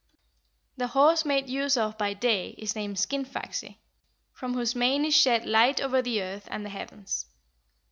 The horse made use of by Day is named Skinfaxi, from whose mane is shed light over the earth and the heavens."